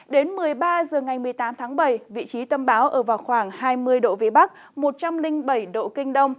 đến một mươi ba h ngày một mươi tám tháng bảy vị trí tâm bão ở vào khoảng hai mươi độ vĩ bắc một trăm linh bảy độ kinh đông